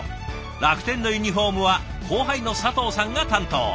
楽天のユニフォームは後輩の佐藤さんが担当。